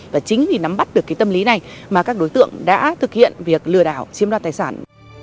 và chính vì nắm bắt được cái tâm lý này mà các đối tượng đã thực hiện việc lừa đảo chiếm đoạt tài sản